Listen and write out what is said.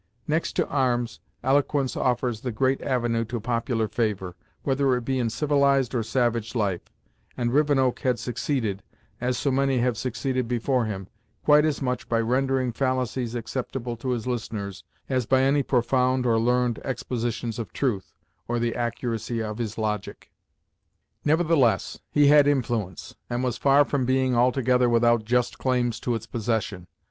Next to arms, eloquence offers the great avenue to popular favor, whether it be in civilized or savage life, and Rivenoak had succeeded, as so many have succeeded before him, quite as much by rendering fallacies acceptable to his listeners, as by any profound or learned expositions of truth, or the accuracy of his logic. Nevertheless, he had influence; and was far from being altogether without just claims to its possession.